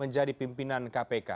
jadi pimpinan kpk